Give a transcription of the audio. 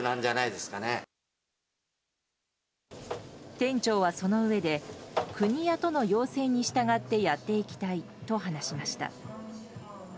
店長は、そのうえで国や都の要請に従ってやっていきたいと話しました。